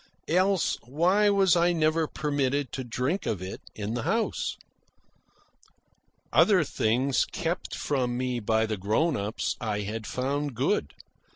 Else why was I never permitted to drink of it in the house? Other things kept from me by the grown ups I had found good.